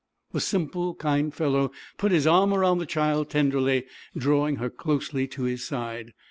The simple, kind fellow put his arm around the child tenderly, drawing her closely to his side.